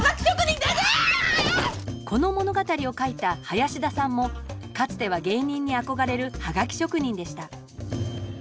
この物語を書いた林田さんもかつては芸人に憧れるハガキ職人でした。